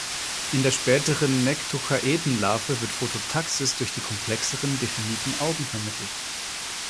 In der späteren Nektochaeten-Larve wird Phototaxis durch die komplexeren definiten Augen vermittelt.